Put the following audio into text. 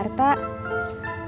belum bisa keluar